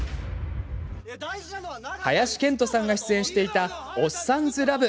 林遣都さんが出演していた「おっさんずラブ」。